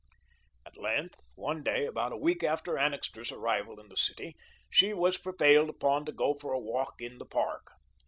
At length, one day, about a week after Annixter's arrival in the city, she was prevailed upon to go for a walk in the park.